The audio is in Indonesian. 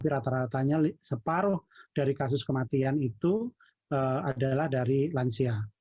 rata ratanya separuh dari kasus kematian itu adalah dari lansia